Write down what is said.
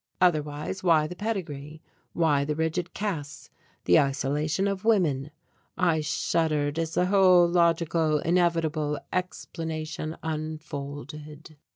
Otherwise why the pedigree, why the rigid castes, the isolation of women? I shuddered as the whole logical, inevitable explanation unfolded.